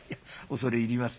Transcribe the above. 恐れ入ります。